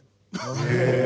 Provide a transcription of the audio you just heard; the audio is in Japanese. へえ。